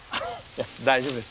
大丈夫です